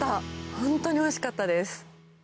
本当においしかったです！